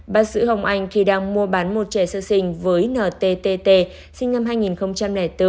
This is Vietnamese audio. bác sĩ hồng anh khi đang mua bán một trẻ sơ sinh với ntt sinh năm hai nghìn bốn